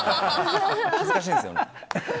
恥ずかしいんですよね。